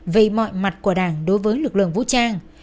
về mọi mặt của đảng đối với lực lượng vũ trang